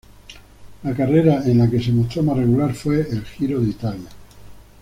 La carrera en la que se mostró más regular fue el Giro de Italia.